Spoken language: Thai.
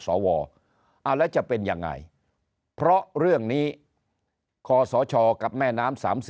แล้วจะเป็นยังไงเพราะเรื่องนี้คศกับแม่น้ำ๓๐